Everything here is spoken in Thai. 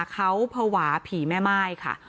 เขาเผาหวาผีแม่ไม้ค่ะ